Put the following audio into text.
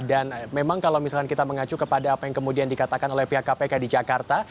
dan memang kalau misalnya kita mengacu kepada apa yang kemudian dikatakan oleh pihak kpk di jakarta